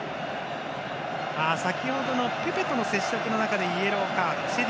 先ほどのペペとの接触の中でイエローカード。